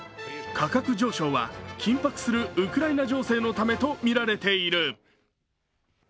価格上昇は緊迫するウクライナ情勢のためとみられている。